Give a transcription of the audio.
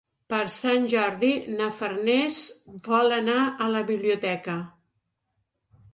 Per Sant Jordi na Farners vol anar a la biblioteca.